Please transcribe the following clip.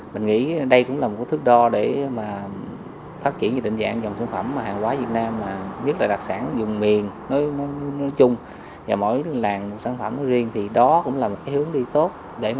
mình nghĩ đây cũng là một thước đo để phát triển dự định dạng dòng sản phẩm hàng hóa việt nam nhất là đặc sản dùng miền nói chung và mỗi làng sản phẩm riêng thì đó cũng là một hướng đi tốt